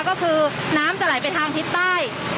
ก็คือน้ำจะไหลไปทางทิศใต้